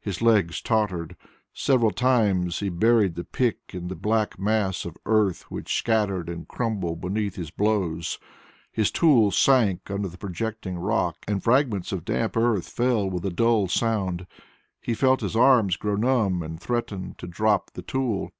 His legs tottered. Several times he buried the pick in the black mass of earth which scattered and crumbled beneath his blows; his tool sank under the projecting rock and fragments of damp earth fell with a dull sound. He felt his arms grow numb and threaten to drop the tool.